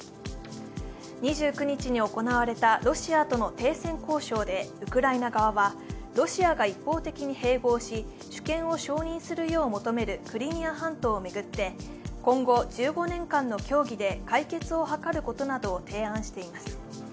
２９日に行われたロシアとの停戦交渉でウクライナ側は、ロシアが一方的に併合し主権を承認するよう求めるクリミア半島を巡って今後１５年間の協議で解決を図ることなどを提案しています。